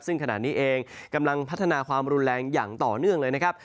ซึ่งขณะนี้เองกำลังพัฒนาความรุนแรงอย่างต่อเนื่องเลยนะครับ